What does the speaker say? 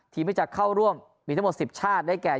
ที่จะเข้าร่วมมีทั้งหมด๑๐ชาติได้แก่